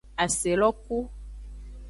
Aselo ku.